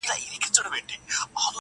زیارت کوم نه را رسیږي!.